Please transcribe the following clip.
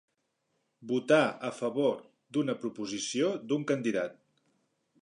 Votar a favor d'una proposició, d'un candidat.